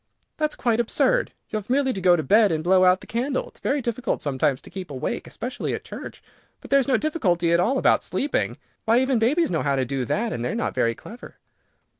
"That's quite absurd! You have merely to go to bed and blow out the candle. It is very difficult sometimes to keep awake, especially at church, but there is no difficulty at all about sleeping. Why, even babies know how to do that, and they are not very clever."